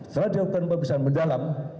setelah dilakukan pemeriksaan mendalam